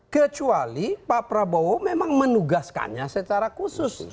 kecuali pak prabowo memang menugaskannya secara khusus